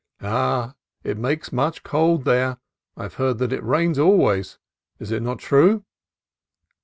"Ah! it makes much cold there. I have heard that it rains always ; is it not true